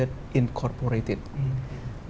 yang merupakan cerita yang terkait dengan keberadaan